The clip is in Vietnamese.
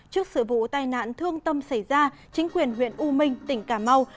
trước sự vụ tai nạn thương tâm xảy ra chính quyền huyện u minh tỉnh cà mau